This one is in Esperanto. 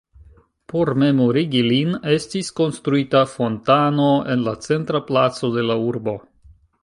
Por memorigi lin estis konstruita fontano en la centra placo de la urbo.